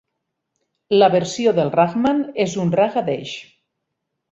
La versió de Rahman és un raga Desh.